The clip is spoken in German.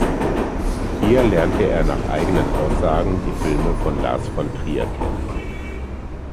Hier lernte er nach eigenen Aussagen die Filme von Lars von Trier kennen.